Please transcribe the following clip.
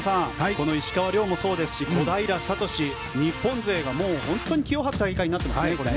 この石川遼もそうですし小平智、日本勢がもう本当に気を吐く大会になっていますね。